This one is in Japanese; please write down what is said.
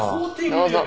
どうぞ。